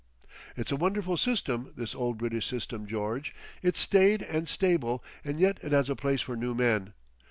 "It's a wonderful system this old British system, George. It's staid and stable and yet it has a place for new men.